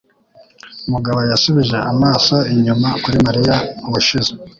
Mugabo yasubije amaso inyuma kuri Mariya ubushize.